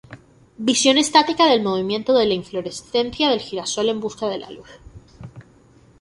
Visión estática del movimiento de la inflorescencia del girasol en busca de luz.